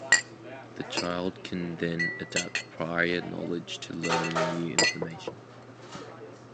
The child can then adapt prior knowledge to learning new information.